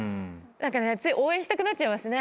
つい応援したくなっちゃいますね。